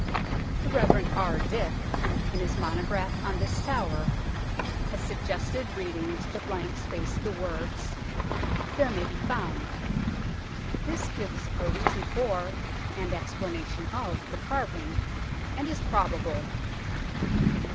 The Rev. R. Dick, in his mono graph on this tower, has suggested reading into the blank space the words " there may THE BEAUCHAMP TOWER 109 be found." This gives a reason for and explanation of the carving, and is probable.